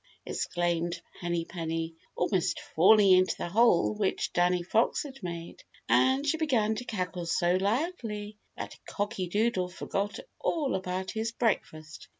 exclaimed Henny Penny, almost falling into the hole which Danny Fox had made. And she began to cackle so loudly that Cocky Doodle forgot all about his breakfast.